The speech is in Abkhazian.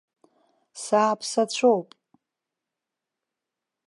Сааԥсацәоуп.